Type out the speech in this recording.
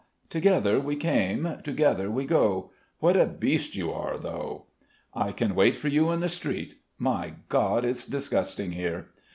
Together we came, together we go. What a beast you are though!" "I can wait for you in the street. My God, it's disgusting here."